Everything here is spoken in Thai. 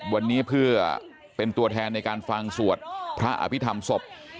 วันนี้เพื่อเป็นตัวแทนในการฟังสวดพระอภิษฐรรมศพ